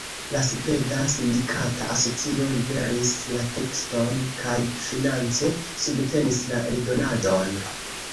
La Sveda Sindikata Asocio liveris la tekston kaj finance subtenis la eldonadon.